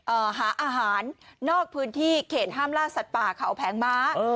หาอาหารนอกพื้นที่เขตห้ามล่าสัตว์ป่าเขาแผงม้าเออ